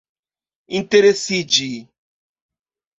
interesiĝi